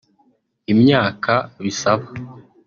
imyaka bisaba